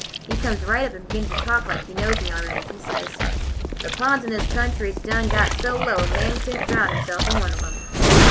He comes right up and begins to talk like he knows me already. He says: 'The ponds in this country is done got so low a man could n't drownd himself in one of 'em.